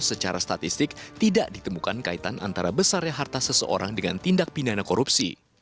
secara statistik tidak ditemukan kaitan antara besarnya harta seseorang dengan tindak pidana korupsi